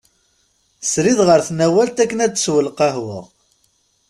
Srid ɣer tnawalt akken ad d-tessew lqahwa.